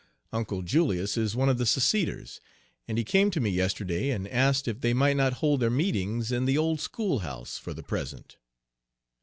Uncle Julius is one of the seceders, and he came to me yesterday and asked if they might not hold their meetings in the old schoolhouse for the present."